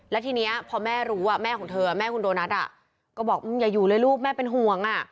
และทีนี้พอแม่แม่มันรู้ว่าให้ต้มแม่ของโดนัสว่าแบบจริงหรือเปล่า